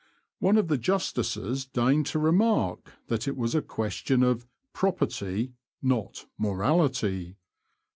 One of the Justices deigned to remark that it was a question of ''property" not morality.